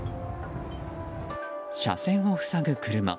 車線を塞ぐ車。